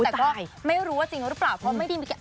แต่ก็ไม่จริงว่าจริงหรือเปล่า